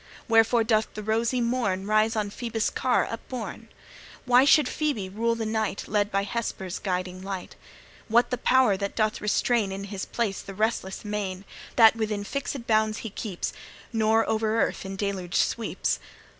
Wherefore doth the rosy morn Rise on Phoebus' car upborne? Why should Phoebe rule the night, Led by Hesper's guiding light? What the power that doth restrain In his place the restless main, That within fixed bounds he keeps, Nor o'er earth in deluge sweeps?